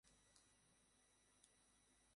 আবার আর আবার।